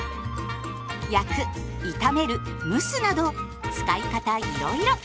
焼く炒める蒸すなど使い方いろいろ。